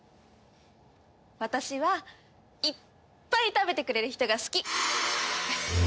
私はいっぱい食べてくれる人が好き。